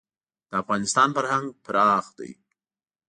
د افغانستان فرهنګ پراخ دی.